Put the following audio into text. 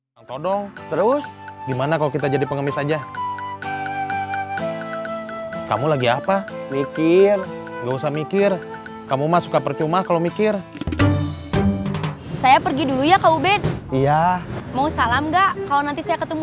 yaudah nanti saya salamin